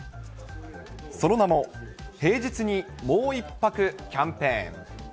その名も、平日にもう１泊キャンペーン。